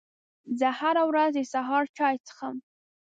زه هره ورځ د سهار چای څښم